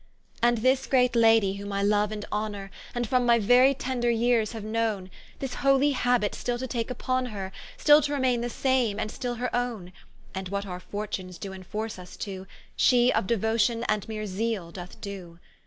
And this great Ladie whom I loue and honour, And from my very tender yeeres haue knowne, This holy habite still to take vpon her, Still to remaine the same, and still her owne: And what our fortunes doe enforce vs to, She of Deuotion and meere Zeale doth do.